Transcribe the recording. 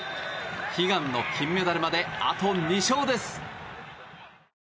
悲願の金メダルまであと２勝です。